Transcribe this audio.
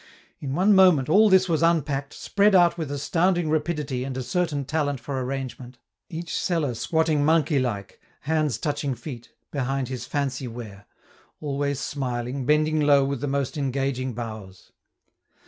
In one moment, all this was unpacked, spread out with astounding rapidity and a certain talent for arrangement; each seller squatting monkey like, hands touching feet, behind his fancy ware always smiling, bending low with the most engaging bows.